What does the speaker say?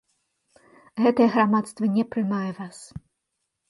Гэтае грамадства не прымае вас.